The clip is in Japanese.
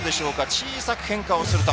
小さく変化をする球